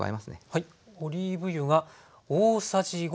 はい。